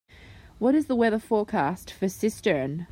What is the weather forecast for Cistern